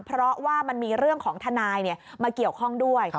เพราะว่ามันมีเรื่องของทนายมาเกี่ยวข้องด้วย